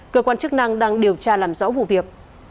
cơ quan chức năng đang điều tra làm rõ vụ việc